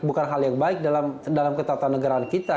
bukan hal yang baik dalam ketatanegaraan kita